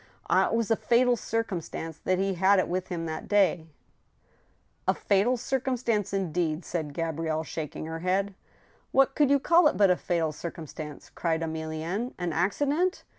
Ah ! it was a fatal cir CUmstan.ce that he had it with him that day I " 142 THE STEEL HAMMER. A fatal circumstance indeed !" said Gabrielle, shaking her head. " What could you call it but a fatal circumstance ?" cried Emi lienne. '* An accident